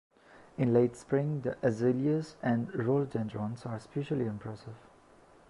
In late spring, the azaleas and rhododendrons are especially impressive.